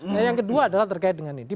nah yang kedua adalah terkait dengan ini